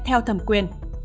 theo thẩm quyền